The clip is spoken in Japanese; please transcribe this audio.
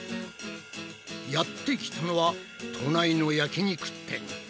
やってきたのは都内の焼き肉店。